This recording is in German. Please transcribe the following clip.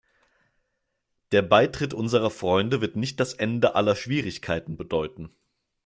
Der Beitritt unserer Freunde wird nicht das Ende aller Schwierigkeiten bedeuten.